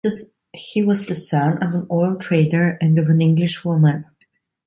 He was the son of an oil trader and of an English woman.